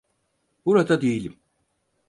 Burada değilim.